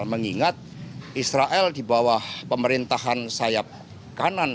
mengingat israel di bawah pemerintahan sayap kanan